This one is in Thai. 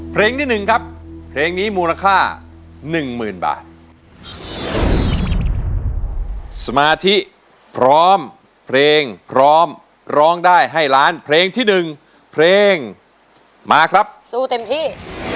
พร้อมเพลงพร้อมร้องได้ให้ล้านเพลงที่หนึ่งเพลงมาครับสู้เต็มที่